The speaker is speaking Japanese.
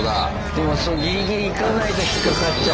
でもギリギリ行かないと引っ掛かっちゃう。